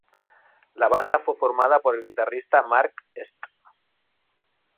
La banda fue formada por el guitarrista Mark St.